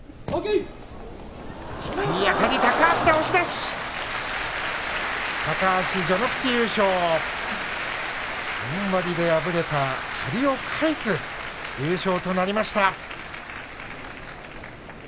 本割で敗れた借りを返す優勝となりました。